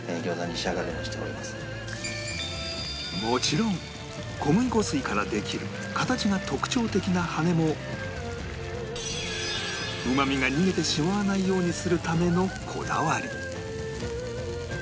もちろん小麦粉水からできる形が特徴的な羽根もうまみが逃げてしまわないようにするためのこだわり